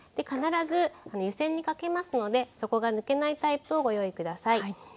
必ず湯煎にかけますので底が抜けないタイプをご用意下さい。